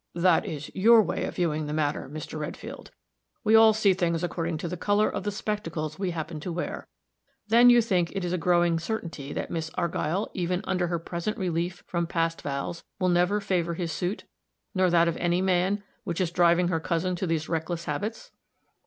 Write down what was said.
"That is your way of viewing the matter, Mr. Redfield. We all see things according to the color of the spectacles we happen to wear. Then you think it is a growing certainty that Miss Argyll, even under her present relief from past vows, will never favor his suit, nor that of any man, which is driving her cousin to these reckless habits?"